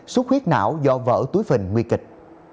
xuất huyết não do vỡ túi phình nguy kịch